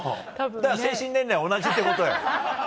精神年齢は同じってことよ。